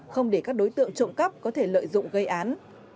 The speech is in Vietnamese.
không để các đối tượng trộm cắp có thể lợi dụng gây án